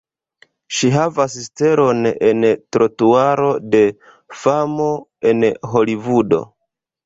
Ŝi havas stelon en Trotuaro de famo en Holivudo.